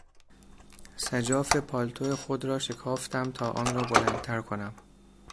سجاف پالتو خود را شکافتم تا آن را بلندتر کنم.